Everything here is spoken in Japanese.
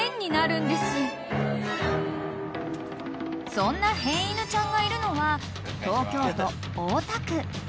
［そんな変犬ちゃんがいるのは東京都大田区］